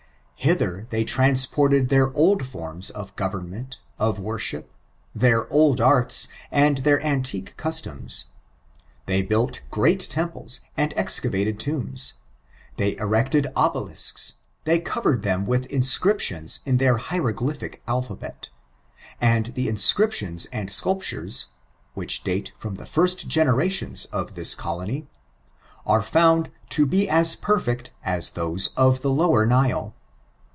Hither they transported their old forms of government, of worship, their old arts, and their antique customs. They bfiilt temples and excavated tombs ; they erected obelisks, they covered them with inscriptions in their hieroglypUo alphabet and the inscriptiona and sculptures — which date with the flnt generations of this colony^are found to be as perfect as those of the Lower Nile.